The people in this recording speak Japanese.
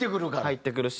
入ってくるし。